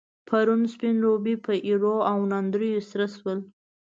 پرون، سپين روبي په ايريو او ناندريو سر شول.